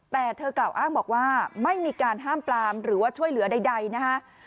แต่เธอกล่าวอ้างบอกว่าไม่มีการห้ามปลามหรือว่าช่วยเหลือใดนะฮะ